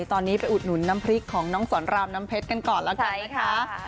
ตอนนี้ไปอุดหนุนน้ำพริกของน้องสอนรามน้ำเพชรกันก่อนแล้วกันนะคะ